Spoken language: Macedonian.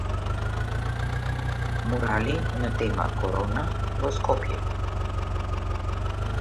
Мурали на тема Корона и во Скопје